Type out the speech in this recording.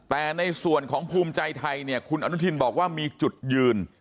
แต่ในส่วนของภูมิใจไทยเนี่ยคุณอนุทินบอกว่ามีจุดยืน